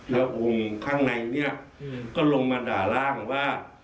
แล้วองค์ข้างในเนี่ยก็ลงมาด่าร่างว่า